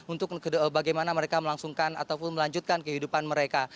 untuk bagaimana mereka melangsungkan ataupun melanjutkan kehidupan mereka